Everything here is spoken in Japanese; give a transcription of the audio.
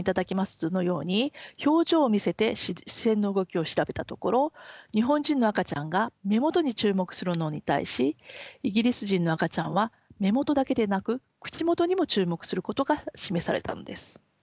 図のように表情を見せて視線の動きを調べたところ日本人の赤ちゃんが目元に注目するのに対しイギリス人の赤ちゃんは目元だけでなく口元にも注目することが示されたのです。